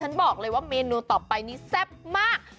บอกเลยว่าเมนูต่อไปนี้แซ่บมาก